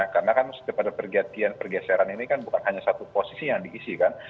karena kan setiap ada pergatian pergeseran ini bukan hanya satu posisi yang diisi kan